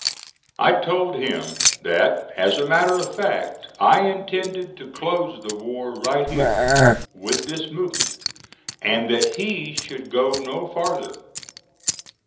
I told him that, as a matter of fact, I intended to close the war right here, with this movement, and that he should go no farther.